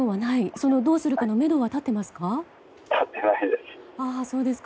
それをどうするかのめどは立っていますか？